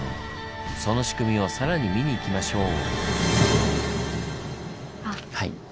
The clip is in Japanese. その仕組みをさらに見に行きましょう。